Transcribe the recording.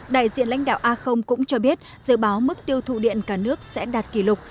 đại diện lãnh đạo a cũng cho biết dự báo mức tiêu thụ điện cả nước sẽ đạt kỷ lục